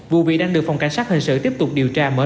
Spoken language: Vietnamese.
vụ bị đánh được phòng cảnh sát hình sự tiếp tục điều tra mở rộng